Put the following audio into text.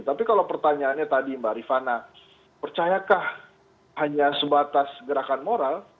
tapi kalau pertanyaannya tadi mbak rifana percayakah hanya sebatas gerakan moral